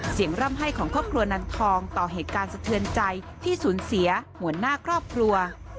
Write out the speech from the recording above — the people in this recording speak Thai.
ร่ำให้ของครอบครัวนันทองต่อเหตุการณ์สะเทือนใจที่สูญเสียหัวหน้าครอบครัว